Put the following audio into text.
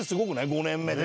５年目で。